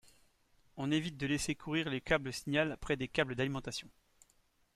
On évite de laisser courir les câbles signal près des câbles d'alimentation.